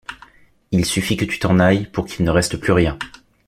Il suffit que tu t’en ailles Pour qu’il ne reste plus rien.